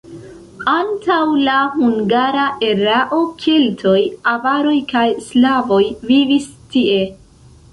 Antaŭ la hungara erao keltoj, avaroj kaj slavoj vivis tie.